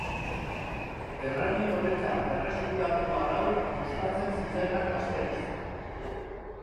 Erraien oreka berreskuratu arau gustatzen zitzaidan Gasteiz.